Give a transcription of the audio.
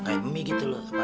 kayak mie gitu loh